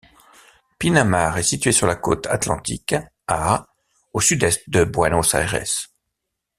Pinamar est située sur la côte Atlantique, à au sud-est de Buenos Aires.